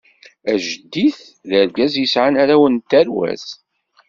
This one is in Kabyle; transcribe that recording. Ajeddit d argaz yesɛan arraw n tarwa-s.